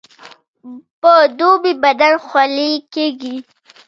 په دوبي بدن خولې کیږي